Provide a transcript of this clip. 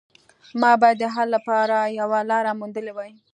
ما باید د حل لپاره یوه لاره موندلې وای